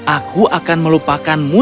aku akan melupakanmu